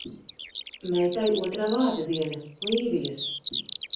Meitai otrā vārda diena – Līvijas.